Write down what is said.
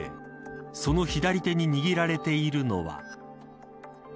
その左手に握られているのは。